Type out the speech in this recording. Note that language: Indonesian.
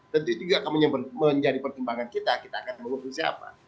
tentu itu juga akan menjadi pertimbangan kita kita akan mengusung siapa